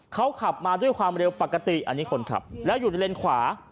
เขาขับมาด้วยความเร็วปกติอันนี้คนขับแล้วอยู่ในเลนขวา